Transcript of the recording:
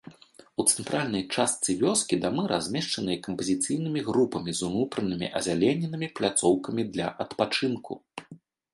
У цэнтральнай частцы вёскі дамы размешчаныя кампазіцыйнымі групамі з унутранымі азялененымі пляцоўкамі для адпачынку.